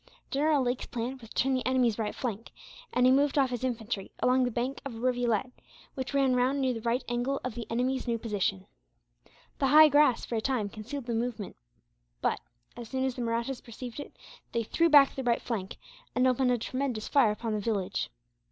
General Lake's plan was to turn the enemy's right flank, and he moved off his infantry along the bank of a rivulet which ran round near the right angle of the enemy's new position. The high grass, for a time, concealed the movement but, as soon as the Mahrattas perceived it they threw back their right flank, and opened a tremendous fire upon the village.